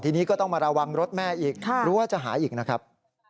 ทีนี้ก็ต้องมาระวังรถแม่อีกรู้ว่าจะหายอีกนะครับ